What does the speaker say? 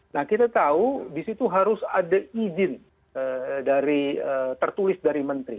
nah kita tahu di situ harus ada izin dari tertulis dari menteri